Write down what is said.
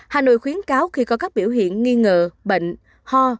hà nội khuyến cáo khi có các biểu hiện nghi ngờ bệnh ho